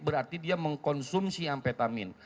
berarti dia mengonsumsi amfetamin